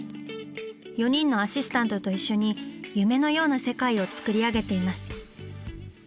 ４人のアシスタントと一緒に夢のような世界を作り上げています。